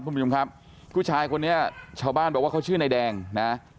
คุณผู้ชมครับผู้ชายคนนี้ชาวบ้านบอกว่าเขาชื่อนายแดงนะ